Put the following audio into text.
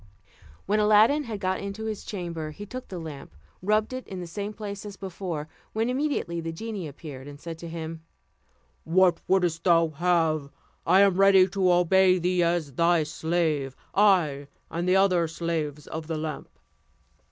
When Aladdin had got into his chamber, he took the lamp, rubbed it in the same place as before, when immediately the genie appeared, and said to him, "What wouldst thou have? I am ready to obey thee as thy slave; I, and the other slaves of the lamp."